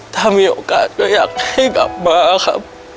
ถ้ามีโอกาสอยากให้กลับมา